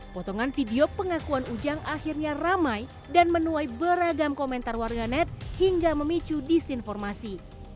potongan video pengakuan ujang akhirnya ramai dan menuai beragam komentar warga net hingga memicu disinformasi